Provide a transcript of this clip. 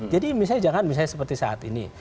jadi misalnya jangan misalnya seperti saat ini